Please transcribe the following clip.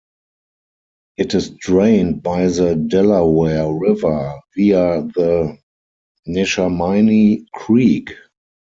It is drained by the Delaware River via the Neshaminy Creek.